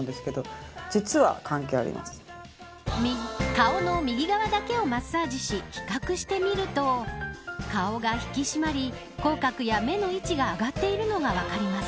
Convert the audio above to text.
顔の右側だけをマッサージし比較してみると顔が引き締まり口角や目の位置が上がっているのが分かります。